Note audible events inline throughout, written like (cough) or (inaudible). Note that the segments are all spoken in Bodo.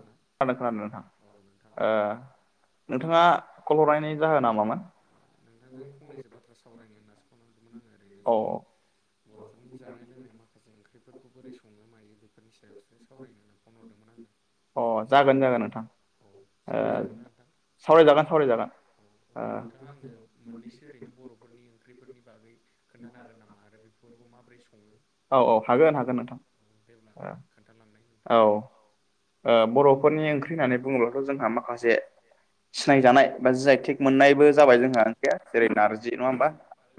ना खोनादों नोंथां ओ नोंथाङा कल हरायनायनि जाहोन ना मामोन? नोंथांजों फंनैसो बाथ्रा सावरायनो होननासो फन हरदोंमोन आरो ओरैनो औ जोंनि बर'फोरनि जानाय लोंनाय माखासे ओंख्रिफोरखौ बोरै संनो मायो बेफोरनि सायावसो सावरायनो होनना फन हरदोंमोन आङो। अ जागोन जागोन नोंथां ओ सावरायजागोना नोंथां? सावरायजागोन सावरायजागोन। औ ओ अब्ला नोंथाङा आंनो मोननैसो ओरैनो बर'फोरनि ओंख्रिफोरनि बागै खोन्थानो हागोन नामा आरो बेफोरखौ माबोरै सङो? औ औ हागोन हागोन नोंथां। दे अब्ला ओ खोन्था लांनाय औ ओ बर'फोरनि ओंख्रि होननानै बुङोब्लाथ' जोंहा माखासे सिनायजानाय बा जि आइ टेक मोननायबो जाबाय जोंहा ओंख्रिया जेरै नारजि नङा होमबा?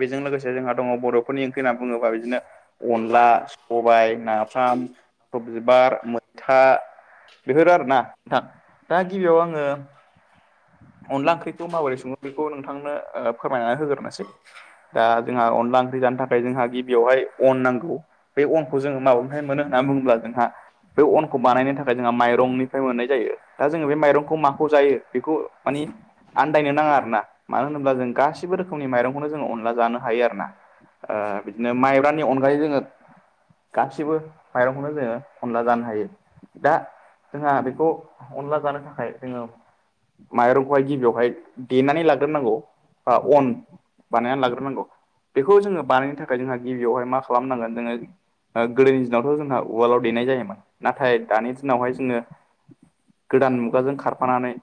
बेजों लोगोसे जोंहा दङ बर'फोरनि ओंख्रि होनना बुङोबा बिदिनो अनला सबाय नाफाम (unintelligible) बार मोगथा बेफोर आरोना नोंथां दा गिबियाव आङो अनला ओंख्रिखौ माबोरै सङो बेखौ नोंथांनो फोरमायनानै होग्रोनोसै। दा जोंहा अनला ओंख्रि जानो थाखाय जोंहा गिबियाव हायो अन नांगौ। बे अनखौ जोङो माबेनिफ्राय मोनो होनना बुङोब्ला जोंहा बे अनखौ बानायनो थाखाय जोंहा माइरंनिफ्राय मोननाय जायो दा जोङो बे माइरंखौ माखौ जायो बेखौ मानि आन्दायनो नाङा आरो ना मानो होनोब्ला जों गासिबो रोखोमनि माइरंखौनो जोंङो अनला जानो हायो आरो ना। आं बिदिनो माइब्रानि अनगायै जोङो गासिबो माइरंखौनो जोङो अनला जानो हायो। दा जोंहा बेखौ अनला जानो थाखाय जोङो माइरंखौहाय गिबियावहाय देनानै लाग्रोनांगौ बा अन बानायनानै लाग्रोनांगौ बेखौ जोङो बानायनो थाखाय जोंहा गिबियावहाय मा खालामनांगोन जोङो गोदोनि दिनावथ' जोंहा उवालआव दैेनाय जायोमोन नाथाय दानि दिनावहाय जोङो गोदान मुगाजों खारफानानै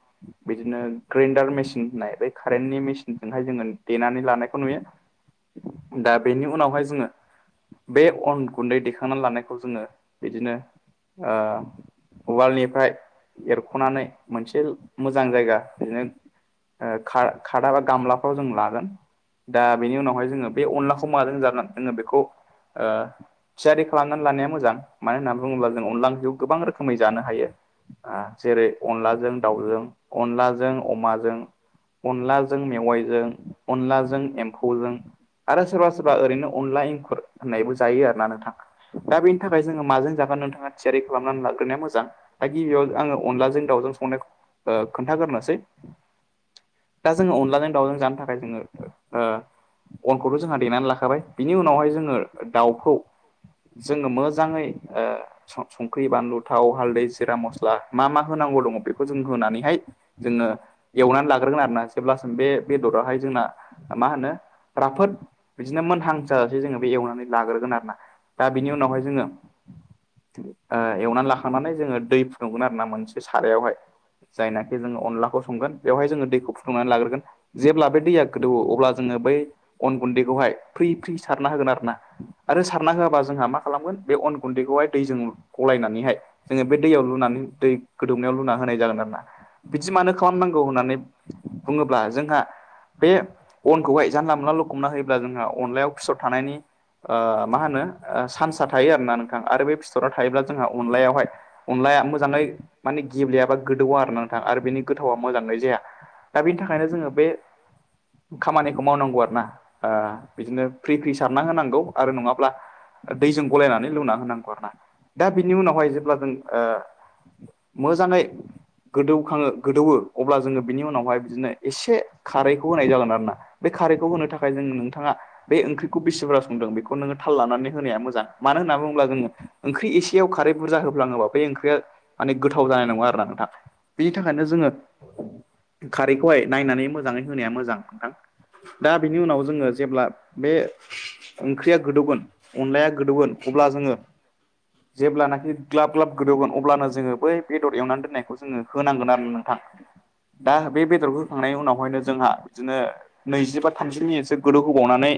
बिदिनो ग्रेन्डार मेसिन होननाय बै कारेन्टनि मेसिन जोंहाय जोङो देनानै लानायखौ नुयो। दा बेनि उनावहाय जोङो बे अन गुन्दै दैखांनानै लानायखौ जोङो बिदिनो ओ उवालनिफ्राय एरख'नानै मोनसे मोजां जायगा बिदिनो ओ खा खादा बा गामलाफ्राव जों लागोन। दा बेनि उनावहाय जोङो बे अनलाखौ माजों जान' होनना बेखौ ओ थियारि खालामनानै लानाया मोजां मानो होननानै बुङोब्ला जों अनला ओंख्रिखौ गोबां रोखोमै जानो हायो। आ जेरै अनलाजों दाउजों अनलाजों अमाजों अनलाजों मेवाइजों अनलाजों एम्फौजों आरो सोरबा सोरबा ओरैनो अनला एंखुर होननायबो जायो आरो ना नोंथां? दा बेनि थाखाय जोङो माजों जागोन नोंथाङा थियारि खालामनानै लाग्रोनाया मोजां। दा गिबियाव आङो अनलाजों दाउजों संनायखौ ओ खोन्थाग्रोनोसै। दा जोङो अनलाजों दाउजों जानो थाखाय जोङो ओ अनखौथ' जोंहा देनानै लाखाबाय बिनि उनावहाय जोङो दाउखौ जोङो मोजाङै ओ सं संख्रि बानलु थाव हाल्दै जिरा मस्ला मा मा होनांगौ दङ बेखौ जों होनानै फाय जोङो एवनानै लाग्रोगोन आरोना। जेब्लासिम बे बेदराहाय जोंना मा होनो राफोद बिदिनो मोनहांजाजासे जोङो बे एवनानै लाग्रोगोन आरोना दा बिनि उनावहाय जोङो ओ एवनानै लाखांनानै जोङो दै फुदुंगोन आरो ना मोनसे सारायावहाय। जायनाखि जोङो अनलाखौ संगोन बेवहाय जोङो दैखौ फुदुंनानै लाग्रोगोन। जेब्ला बे दैया गोदौवो अब्ला जोङो बै अन गुन्दैखौहाय फ्रि फ्रि सारना होगोन आरो ना। आरो सारना होआबा जोंहा मा खालामगोन बे अन गुन्दैखौहाय दैजों ग- गलायनानैहाय जोङो बे दैयाव लुनानै दै गोदौनायाव लुना होनाय जागोन आरो ना बिदि मानो खालामनांगौ होननानै बुङोब्ला जोंहा बे अनखौहाय जानला मोनला लखबना होयोब्ला जोंहा अनलायाव फिसर थानायनि ओ मा होनो ओ सानसा थायो आरोना नोंथां आरो बे फिथरा थायोब्ला जोंहा अनलायावहाय अनलाया मोजाङै माने गेब्लेयाबा गोद दौआ आरो नोंथां आरो बेनि गोथावा मोजांङै जाया दा बेनि थाखायनो जोङो बे खामानिखौ मावनांगौ आरो ना ओ बिदिनो फ्रि फ्रि सारना होनांगौ आरो नङाब्ला दैजों गलायना लुना होनांगौ आरो ना दा बिनि उनावहाय जेब्ला जों ओ मोजाङै गोदौखाङो गोदौवो अब्ला जोङो बिनि उनावहाय बिदिनो एसे खारैखौ होनाय जागोन आरो ना बे खारैखौ होनो थाखाय जोंनो नोंथाङा बे ओंख्रिखौ बिसिबुरजा संदों बेखौ नोङो थाल लानानै होनाया मोजां मानो होनना बुङोब्ला जोङो ओंख्रि एसेयाव खारै बुरजा होफ्लाङोब्ला बे ओंख्रिया माने गोथाव जानाय नङा आरो ना नोंथां। बिनि थाखायनो जोङो खारैखौहाय नायनानै मोजाङै होनाया मोजां नोंथां दा बिनि उनाव जोङो जेब्ला बे ओंख्रिया गोदौगोन अनलाया गोदौगोन अब्ला जोङो जेब्लाना ग्लाब ग्लाब गोदौगोन अब्लाना जोङो बै बेदर एवनानै दोननायखौ जोङो होनांगोन आरो नोंथां। दा बे बेदरखौ होखांनायनि उनावहायनो जोंहा बिदिनो नैजिबा थामजि मिनिटसो गोदौ होबावनानै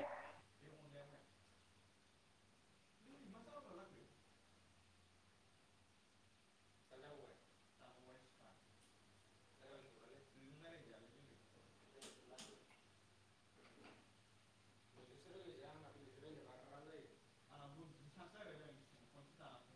आंना बुंफिनखासै आरो